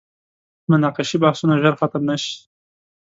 مناقشې بحثونه ژر ختم نه شي.